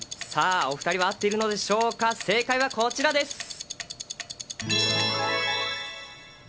お２人は合っているのでしょうか、正解はこちらです！